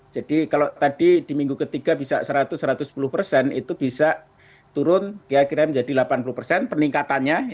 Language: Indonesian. jadi kalau tadi di minggu ketiga bisa seratus satu ratus sepuluh persen itu bisa turun kira kira menjadi delapan puluh persen peningkatannya